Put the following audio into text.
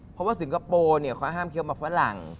เพราะว่าสิงคโปร่ห้ามเคี้ยวมาผะหลั่ง